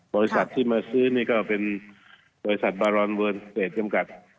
บริษัทที่มาซื้อนี่ก็เป็นบริษัทบารอนเวิร์นเฟสจำกัด